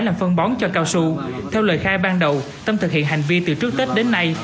làm phân bón cho cao su theo lời khai ban đầu tâm thực hiện hành vi từ trước tết đến nay